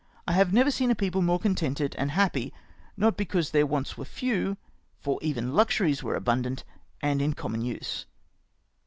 I have never seen a people more contented and happy ; not because theu" Avants were few, for even luxmies were abundant, and m common use.